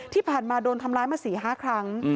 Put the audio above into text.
ที่ผ่านมาโดนทำร้ายมา๔๕ครั้ง